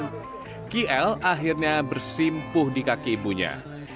dan kita sudah bersimpuh di kaki ibunya